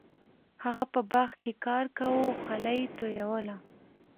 هغه په باغ کې کار کاوه او خوله یې تویوله.